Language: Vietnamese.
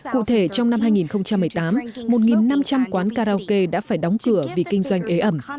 cụ thể trong năm hai nghìn một mươi tám một năm trăm linh quán karaoke đã phải đóng cửa vì kinh doanh ế ẩm